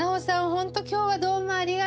ホント今日はどうもありがとう！